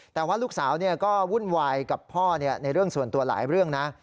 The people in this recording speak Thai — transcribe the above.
แต่ว่าลูกสาวก็วุ่นวายกับพ่อในเรื่องส่วนตัวหลายเรื่องนะ